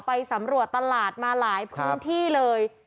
ไปสำรวจตลาดมาหลายพื้นที่เลย